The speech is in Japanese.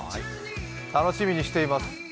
楽しみにしています。